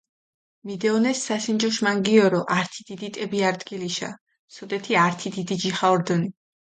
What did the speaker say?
მიდეჸონეს სასინჯოშ მანგიორო ართი დიდი ტები არდგილიშა, სოდეთი ართი დიდი ჯიხა ორდჷნი.